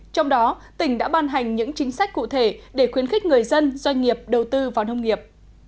trong đó tỉnh đã ban hành những chính sách cụ thể để khuyến khích người dân doanh nghiệp đầu tư vào nông nghiệp